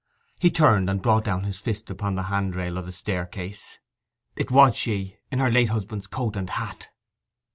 He turned and brought down his fist upon the handrail of the staircase: 'It was she; in her late husband's coat and hat!